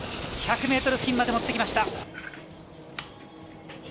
１００ｍ付近まで持ってきました。